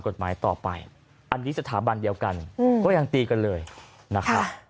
กฎหมายต่อไปอันนี้สถาบันเดียวกันก็ยังตีกันเลยนะครับ